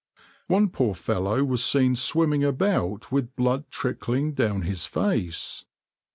One poor fellow was seen swimming about with blood trickling down his face.